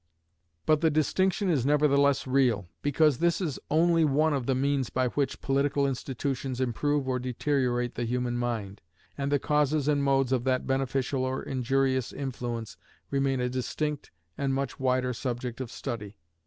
But the distinction is nevertheless real, because this is only one of the means by which political institutions improve or deteriorate the human mind, and the causes and modes of that beneficial or injurious influence remain a distinct and much wider subject of study.